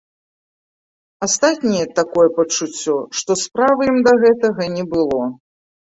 Астатнія, такое пачуццё, што справы ім да гэтага не было.